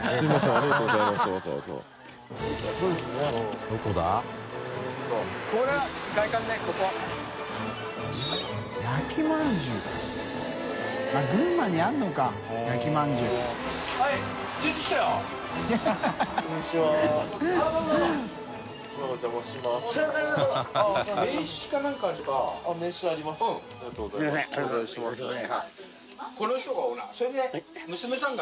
ありがとうございますマサさん